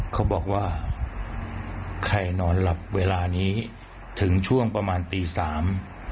เขาบอกว่าใครนอนหลับเวลานี้ถึงช่วงประมาณตีสาม